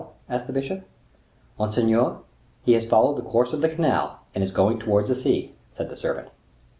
asked the bishop. "Monseigneur, he has followed the course of the canal, and is going towards the sea," said the servant.